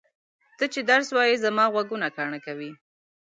ته چې درس وایې زما غوږونه کاڼه کوې!